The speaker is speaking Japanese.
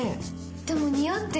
でも似合ってるよ。